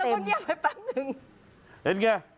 ขอบคุณมากค่ะ